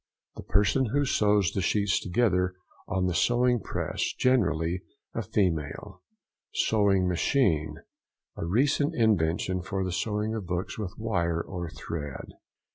—The person who sews the sheets together on the sewing press—generally a female. SEWING MACHINE.—A recent invention for the sewing of books with wire and thread.